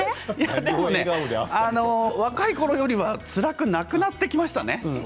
若いころよりはつらくなくなってきましたね。